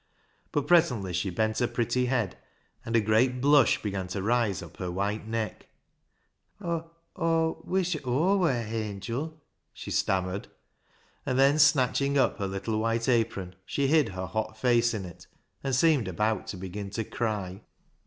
But presently she bent her pretty head, and a great blush began to rise up her white neck —" Aw wuish Azv wur a hangil," she stammered, and then snatching up her little white apron, she hid her hot face in it and seemed about to begin to cry.